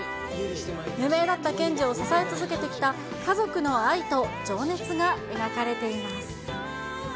無名だった賢治を支え続けてきた家族の愛と情熱が描かれています。